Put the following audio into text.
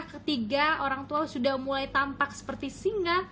ketiga orang tua sudah mulai tampak seperti singa